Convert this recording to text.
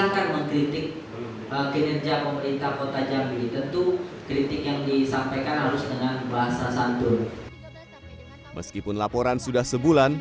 pemkot jambi yang melapor secara resmi empat mei dua ribu dua puluh satu